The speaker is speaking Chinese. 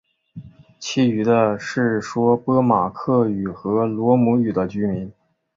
其余的是说波马克语和罗姆语的居民。